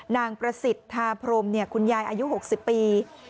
นางประสิทธาพรมคุณยายอายุ๖๐ปี